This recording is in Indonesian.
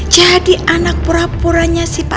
kayak oleh papa